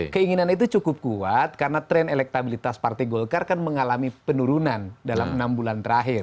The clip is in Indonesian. keinginan itu cukup kuat karena tren elektabilitas partai golkar kan mengalami penurunan dalam enam bulan terakhir